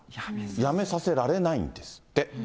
辞めさせられないんですって。